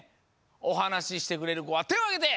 おはなししてくれるこはてをあげて！